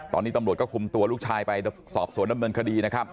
ตอนนี้ตำรวจก็คุมตัวลูกชายไปสอบสวนดำเนินคดีนะครับ